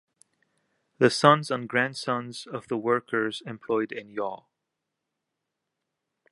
The sons and grandsons of the workers employed in Joh.